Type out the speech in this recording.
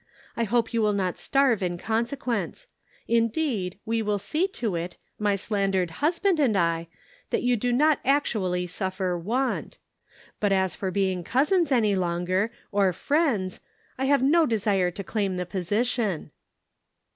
I hope you will not starve in consequence ; indeed, we will see to it, my slandered husband and I, that you do not actually suffer want; but as for being cousins any longer, or friends. I have no desire to claim the position."